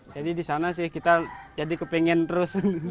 jadi disana sih kita jadi kepengen terus